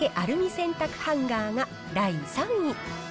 洗濯ハンガーが第３位。